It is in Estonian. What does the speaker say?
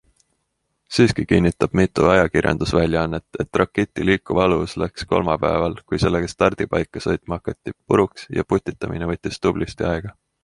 Siiski kinnitab mitu ajakirjandusväljaannet, et raketi liikuv alus läks kolmapäeval, kui sellega stardipaika sõitma hakati, puruks ja putitamine võttis tublisti aega.